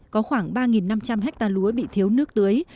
có khoảng ba năm trăm linh hectare lúa bị thiếu nước tưới